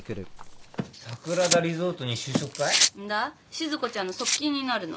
しず子ちゃんの側近になるの。